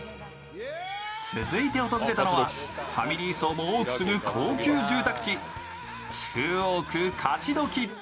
続いて訪れたのはファミリー層も多く住む高級住宅地、中央区勝どき。